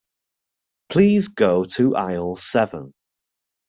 Please go to aisle seven.